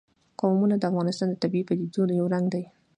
قومونه د افغانستان د طبیعي پدیدو یو رنګ دی.